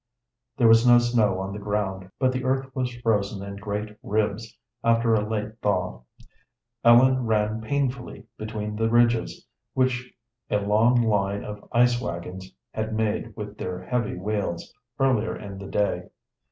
There was no snow on the ground, but the earth was frozen in great ribs after a late thaw. Ellen ran painfully between the ridges which a long line of ice wagons had made with their heavy wheels earlier in the day.